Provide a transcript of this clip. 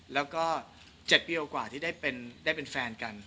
แล้วก็๗ปีกว่าที่ได้เป็นแฟนกัน